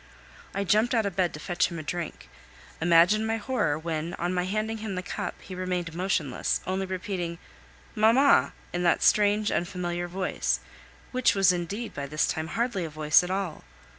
I jumped out of bed to fetch him a drink. Imagine my horror when, on my handing him the cup, he remained motionless, only repeating "Mamma!" in that strange, unfamiliar voice, which was indeed by this time hardly a voice at all.